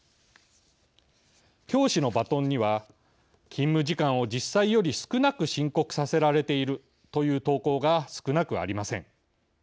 教師のバトンには勤務時間を実際より少なく申告させられているという投稿が少なくありません。